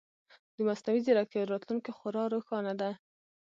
د مصنوعي ځیرکتیا راتلونکې خورا روښانه ده.